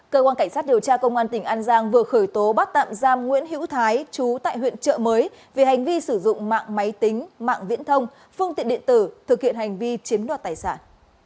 cơ quan cảnh sát điều tra công an tỉnh an giang vừa khởi tố bắt tạm giam nguyễn hữu thái chú tại huyện trợ mới vì hành vi sử dụng mạng máy tính mạng viễn thông phương tiện điện tử thực hiện hành vi chiếm đoạt tài sản